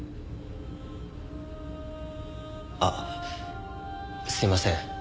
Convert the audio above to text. あっすいません。